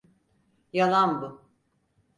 Yalan bu!